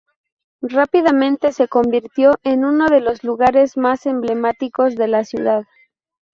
Rápidamente se convirtió en uno de los lugares más emblemáticos de la ciudad.